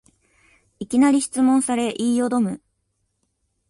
いきなり質問され言いよどむ